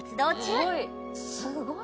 すごい。